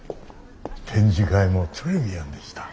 展示会もトレビアンでした。